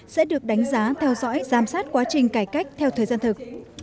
sẽ được đánh giá theo dõi giám sát quá trình cải cách theo thời gian thực